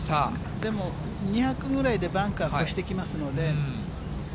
でも２００ぐらいでバンカー越してきますので。